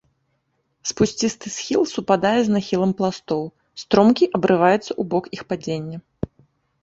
Спусцісты схіл супадае з нахілам пластоў, стромкі абрываецца ў бок іх падзення.